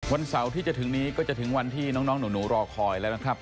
วันเสาร์ที่จะถึงนี้ก็จะถึงวันที่น้องหนูรอคอยแล้วนะครับ